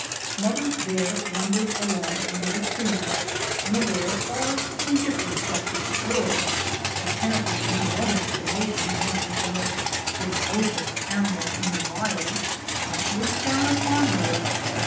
Mother bear lumbered along under the trees, unaware or indifferent that the squirrel, appar ently in his own estimation one of the most fero cious animals in the wilds, might leap down upon her.